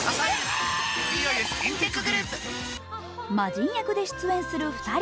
魔人役で出演する２人。